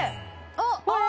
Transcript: あっ！